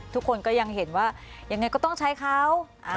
ทุกคนก็ยังเห็นว่ายังไงก็ต้องใช้เขา